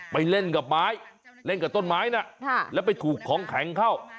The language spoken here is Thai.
ไปเล่นกับไม้เล่นกับต้นไม้นะแล้วไปถูกของแข็งเข้า